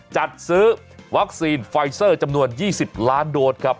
จัดซื้อวัคซีนไฟเซอร์จำนวน๒๐ล้านโดสครับ